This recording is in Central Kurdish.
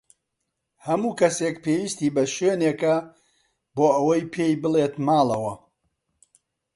هەموو کەسێک پێویستی بە شوێنێکە بۆ ئەوەی پێی بڵێت ماڵەوە.